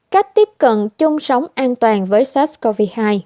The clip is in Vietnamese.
cách tiếp cận chung sống an toàn với sars cov hai